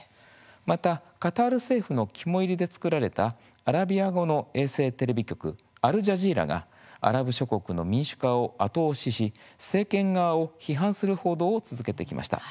また、カタール政府の肝煎りで作られたアラビア語の衛星テレビ局アルジャジーラがアラブ諸国の民主化を後押しし政権側を批判する報道を続けてきました。